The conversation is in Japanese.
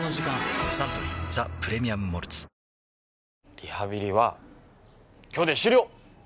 リハビリは今日で終了！